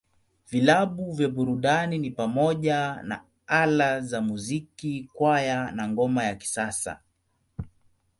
Vilabu vya burudani ni pamoja na Ala za Muziki, Kwaya, na Ngoma ya Kisasa.